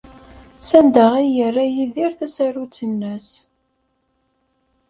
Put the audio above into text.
Sanda ay yerra Yidir tasarut-nnes?